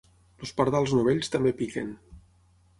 Els pardals novells també piquen.